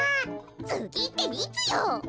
つぎっていつよ？